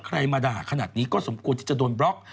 มาด่าขนาดนี้ก็สมควรที่จะโดนบล็อก